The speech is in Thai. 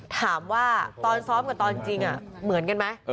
ถามว่าตอนซ้อมกับตอนจริงเหมือนกันไหม